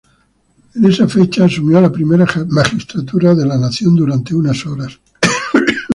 En esa fecha asumió la primera magistratura de la nación durante unas horas.